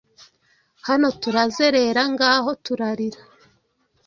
Hano turazerera, ngaho turarira